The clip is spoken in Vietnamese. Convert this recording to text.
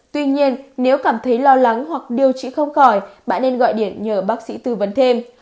tuy nhiên nếu cảm thấy lo lắng hoặc điều trị không khỏi bạn nên gọi điện nhờ bác sĩ tư vấn thêm